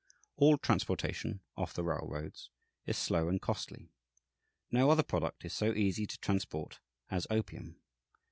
All transportation, off the railroads, is slow and costly. No other product is so easy to transport as opium.